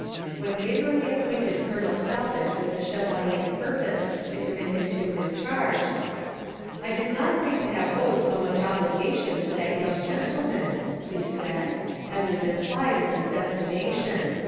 When Waverley acquainted Colonel Talbot with the Chevalier's purpose to commit him to his charge, 'I did not think to have owed so much obligation to that young gentleman,' he said, 'as is implied in this destination.